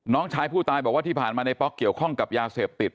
น้องชายผู้ตายบอกว่าที่ผ่านมาในป๊อกเกี่ยวข้องกับยาเสพติด